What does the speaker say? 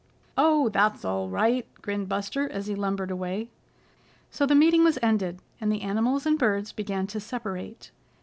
"Oh, that's all right!" grinned Buster, as he lumbered away. So the meeting was ended, and the animals and birds began to separate.